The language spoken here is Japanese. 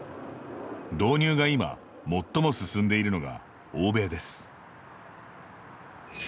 導入が今最も進んでいるのが欧米です。